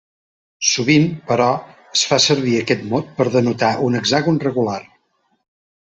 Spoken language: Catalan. Sovint, però, es fa servir aquest mot per denotar un hexàgon regular.